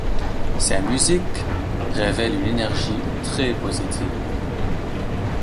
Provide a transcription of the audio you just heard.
Sa musique révèle une énergie très positive.